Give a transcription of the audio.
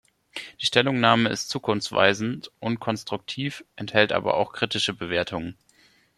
Die Stellungnahme ist zukunftsweisend und konstruktiv, enthält aber auch kritische Bewertungen.